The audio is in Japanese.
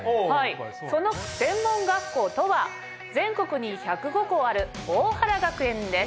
その専門学校とは全国に１０５校ある大原学園です。